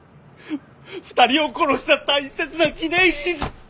２人を殺した大切な記念品。